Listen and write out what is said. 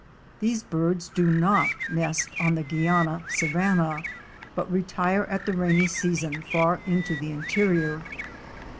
These birds do not nest on the Guiana savanna but retire at the rainy season far into the interior.